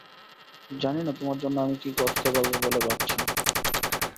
জানি না তোমার জন্য আমি কী করতে পারবো বলে ভাবছো।